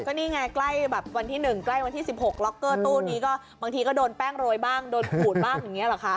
ก็นี่ไงใกล้แบบวันที่๑ใกล้วันที่๑๖ล็อกเกอร์ตู้นี้ก็บางทีก็โดนแป้งโรยบ้างโดนขูดบ้างอย่างนี้หรอคะ